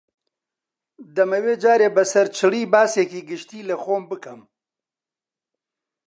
دەمەوێ جارێ بە سەرچڵی باسێکی گشتی لە خۆم بکەم